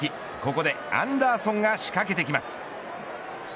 ここでアンダーソンが仕掛けてきます。